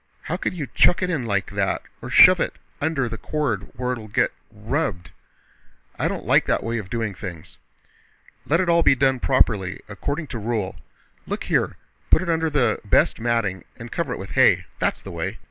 How can you chuck it in like that or shove it under the cord where it'll get rubbed? I don't like that way of doing things. Let it all be done properly, according to rule. Look here, put it under the bast matting and cover it with hay—that's the way!"